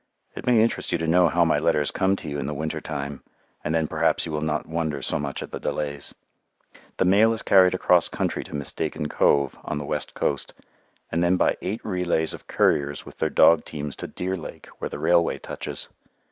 It may interest you to know how my letters come to you in the winter time, and then perhaps you will not wonder so much at the delays. The mail is carried across country to Mistaken Cove, on the west coast, and then by eight relays of couriers with their dog teams to Deerlake where the railway touches.